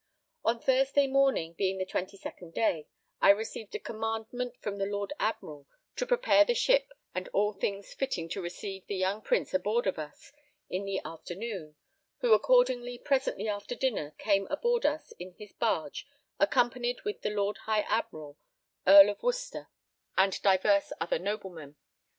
On Thursday morning, being the 22nd day, I received a commandment from the Lord Admiral to prepare the ship and all things fitting to receive the young prince aboard of us in the afternoon; who accordingly presently after dinner came aboard us in his barge accompanied with the Lord High Admiral, Earl of Worcester, and divers other noblemen.